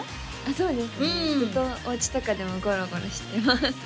そうですねずっとおうちとかでもゴロゴロしてます